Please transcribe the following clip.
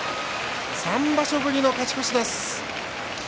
３場所ぶりの勝ち越しです。